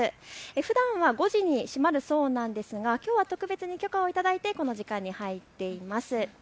ふだんは５時に閉まるそうなんですが、きょうは特別に許可を頂いてこの時間に入っています。